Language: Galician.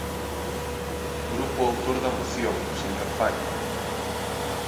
Grupo autor da moción, señor Palla.